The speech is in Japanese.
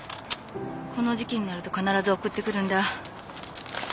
この時期になると必ず送ってくるんだ。